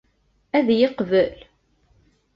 Ad iyi-yeqbel?